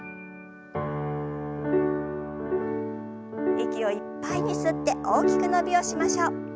息をいっぱいに吸って大きく伸びをしましょう。